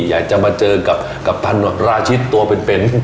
อยากจะมาเจอกับพันราชิตตัวเป็น